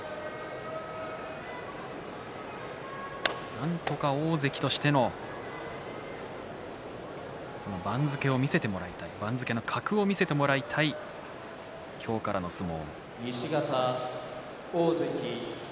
なんとか大関としての番付を見せていきたい番付の格を見せてもらいたい今日からの相撲。